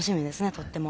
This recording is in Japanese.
とっても。